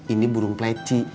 ini burung pleci